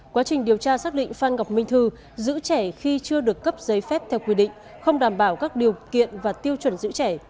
quá trình điều tra xác định phan ngọc minh thư giữ trẻ khi chưa được cấp giấy phép theo quy định không đảm bảo các điều kiện và tiêu chuẩn giữ trẻ